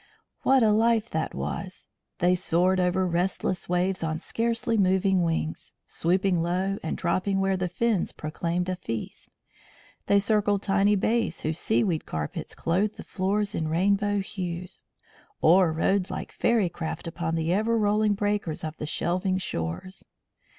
What a life that was! They soared over restless waves on scarcely moving wings, swooping low and dropping where the flash of fins proclaimed a feast. They circled tiny bays whose seaweed carpets clothed the floors in rainbow hues; or rode like fairy craft upon the ever rolling breakers on the shelving shores.